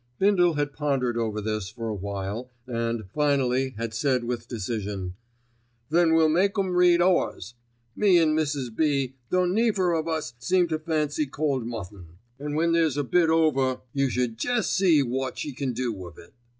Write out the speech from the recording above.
Bindle had pondered over this for a while and, finally, had said with decision: "Then we'll make 'em read ours. Me an' Mrs. B. don't neither of us seem to fancy cold mutton, an' when there's a bit over you should jest see wot she can do with it.